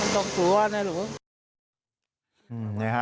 มันต้องกลัวลูก